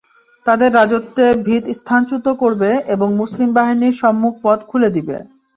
তাদের রাজত্বে ভিত স্থানচ্যুত করবে এবং মুসলিম বাহিনীর সম্মুখ পথ খুলে দিবে।